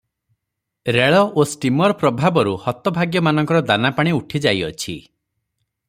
ରେଳ ଓ ଷ୍ଟୀମର ପ୍ରଭାବରୁ ହତଭାଗ୍ୟମାନଙ୍କର ଦାନା ପାଣି ଉଠି ଯାଇଅଛି ।